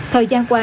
thời gian qua